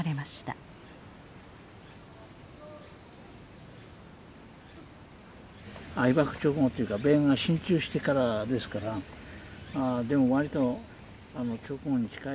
被爆直後っていうか米軍が進駐してからですからでもわりと直後に近い。